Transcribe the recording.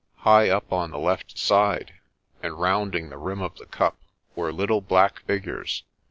High up on the left side, and rounding the rim of the cup, were little black figures.